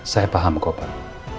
saya paham kok pak